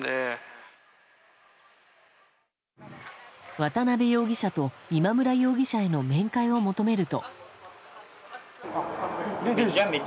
渡辺容疑者と今村容疑者への面会を求めると。